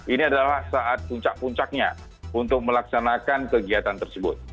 ini adalah saat puncak puncaknya untuk melaksanakan kegiatan tersebut